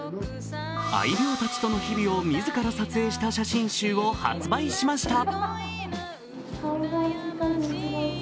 愛猫たちとの日々を自ら撮影した写真集を発売しました。